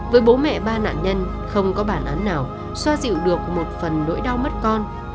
với bố mẹ ba nạn nhân không có bản án nào xoa dịu được một phần nỗi đau mất con